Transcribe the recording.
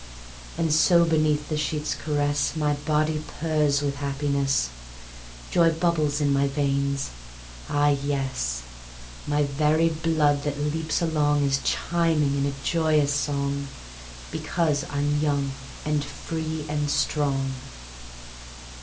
And so beneath the sheet's caress My body purrs with happiness; Joy bubbles in my veins. ... Ah yes, My very blood that leaps along Is chiming in a joyous song, Because I'm young and free and strong.